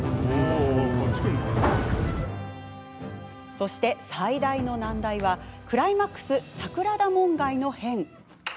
そして、最大の難題はクライマックス、桜田門外の変。